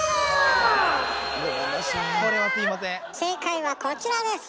正解はこちらです。